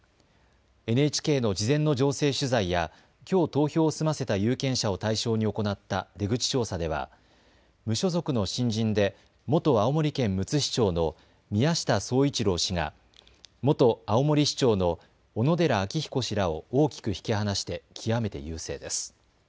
ＮＨＫの事前の情勢取材やきょう投票を済ませた有権者を対象に行った出口調査では無所属の新人で元青森県むつ市長の宮下宗一郎氏が元青森市長の小野寺晃彦氏らを大きく引き離して極めて優勢です。